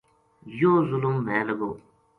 یوہ ظلم وھے لگو